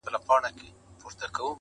دایمی به یې وي برخه له ژوندونه--!